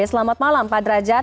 selamat malam pak derajat